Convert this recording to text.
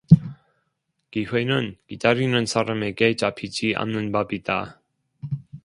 기회는 기다리는 사람에게 잡히지 않는 법이다.